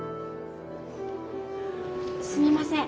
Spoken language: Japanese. すみません。